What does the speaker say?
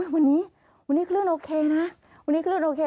วันนี้วันนี้คลื่นโอเคนะวันนี้คลื่นโอเค